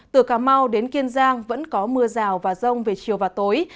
từ cà mau đến kiên giang vẫn có mưa rào và rông về chiều và tối